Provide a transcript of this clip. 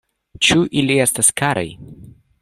Ĉu ili estas karaj?